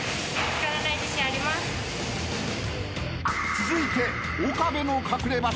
［続いて］